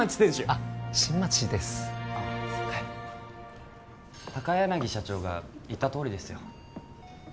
あっ新町ですあっ高柳社長が言ったとおりですよ